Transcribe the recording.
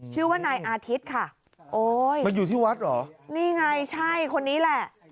ชื่อว่านายอาทิตย์ค่ะโอ้ยมันอยู่ที่วัดเหรอนี่ไงใช่คนนี้แหละ